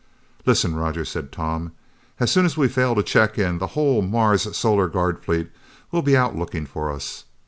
"Listen, Roger," said Tom, "as soon as we fail to check in, the whole Mars Solar Guard fleet will be out looking for us.